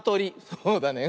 そうだね。